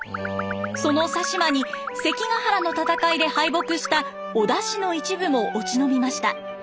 その佐島に関ヶ原の戦いで敗北した織田氏の一部も落ち延びました。